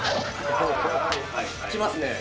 きますね。